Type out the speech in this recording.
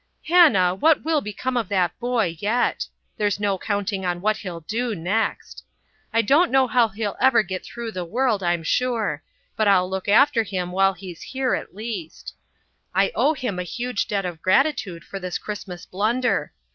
"Hannah, what will become of that boy yet? There's no counting on what he'll do next. I don't know how he'll ever get through the world, I'm sure, but I'll look after him while he's here at least. I owe him a huge debt of gratitude for this Christmas blunder.